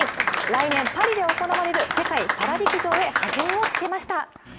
来年、パリで行われる世界パラ陸上へ弾みをつけました。